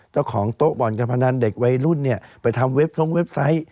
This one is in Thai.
เจ้าของโต๊ะบ่อนการพนันเด็กวัยรุ่นเนี่ยไปทำเว็บทรงเว็บไซต์